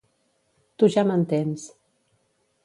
Tu ja m'entens.